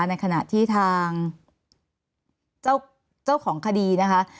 ในขณะที่ทางเจ้าของคดีนะคะ